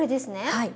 はい。